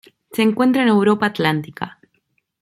Se encuentra en Europa Atlántica.